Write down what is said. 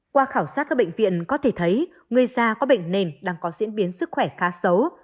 qua khảo sát các bệnh viện có thể thấy người già có bệnh nền đang có diễn biến sức khỏe khá xấu